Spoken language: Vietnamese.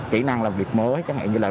kỹ năng làm việc mới chẳng hạn như là